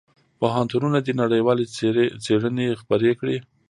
پوهنتونونه دي نړیوالې څېړنې خپرې کړي.